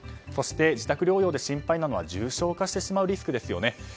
そして自宅療養で心配なのは重症化してしまうリスクですよね。